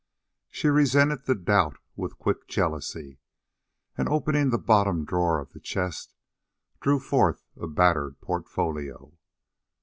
She resented the doubt with quick jealousy, and, opening the bottom drawer of the chest, drew forth a battered portfolio.